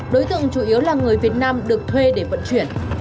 đối tượng chủ yếu là người việt nam được thuê để vận chuyển